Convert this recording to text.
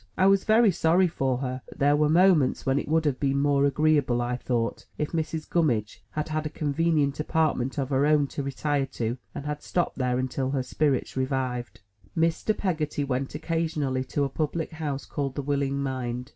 I was very sorry for her, but there were moments when it would have been more agree able, I thought, if Mrs. Gummidge had had a convenient apart ment of her own to retire to, and had stopped there until her spirits revived. Mr. Peggotty went occasionally to a public house called The Willing Mind.